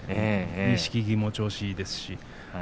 錦木も調子がいいですし。